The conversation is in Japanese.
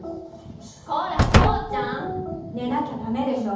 こらこうちゃん！寝なきゃ駄目でしょ？